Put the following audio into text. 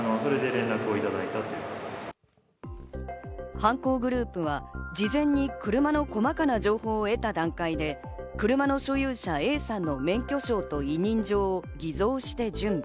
犯行グループは事前に車の細かな情報を得た段階で、車の所有者Ａさんの免許証と委任状を偽造して準備。